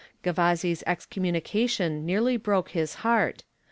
_' Gavazzi's excommunication nearly broke his heart.